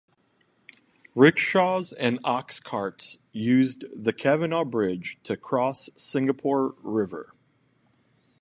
Rickshaws and ox carts used the Cavenagh Bridge to cross Singapore River.